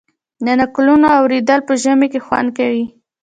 د نکلونو اوریدل په ژمي کې خوند کوي.